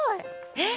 えっ！